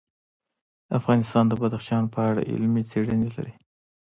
افغانستان د بدخشان په اړه علمي څېړنې لري.